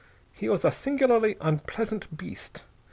He was a singularly unpleasant beast.